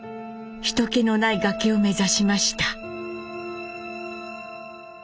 人けのない崖を目指しました。